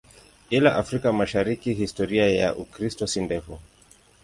Ila Afrika Mashariki historia ya Ukristo si ndefu.